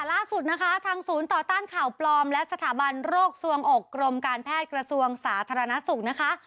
ล่าสุดนะคะทางศูนย์ต่อต้านข่าวปลอมและสถาบันโรคสวงอกกรมการแพทย์กระทรวงสาธารณสุขนะคะ